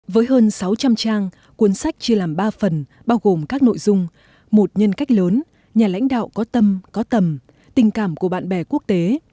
với hơn sáu trăm linh trang cuốn sách chia làm ba phần bao gồm các nội dung một nhân cách lớn nhà lãnh đạo có tâm có tầm tình cảm của bạn bè quốc tế